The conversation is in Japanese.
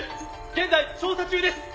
現在調査中です。